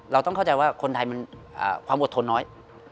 เราต้องเข้าใจว่าคนไทยมันความอดทนน้อย